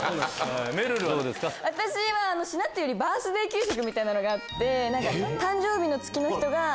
品っていうよりバースデー給食みたいなのがあって。